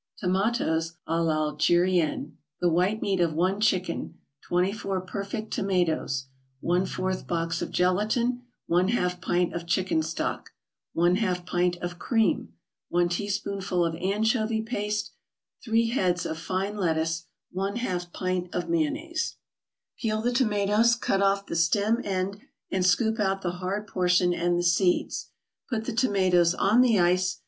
TOMATOES à l'ALGERIENNE The white meat of one chicken 24 perfect tomatoes 1/4 box of gelatin 1/2 pint of chicken stock 1/2 pint of cream 1 teaspoonful of anchovy paste 3 heads of fine lettuce 1/2 pint of mayonnaise Peel the tomatoes, cut off the stem end and scoop out the hard portion and the seeds; put the tomatoes on the ice.